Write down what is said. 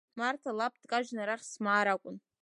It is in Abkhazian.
Марҭа лаб дкажьны арахь смаар акәын.